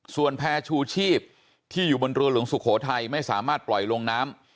ส่วนแพร่ชูชีพที่อยู่บนเรือหลวงสุโขทัยไม่สามารถปล่อยลงน้ำ